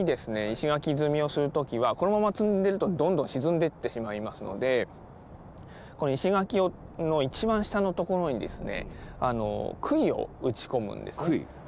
石垣積みをする時はこのまま積んでるとどんどん沈んでってしまいますので石垣の一番下の所にですね杭を打ち込むんですね。